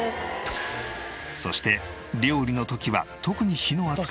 そして料理の時は特に火の扱いに注意。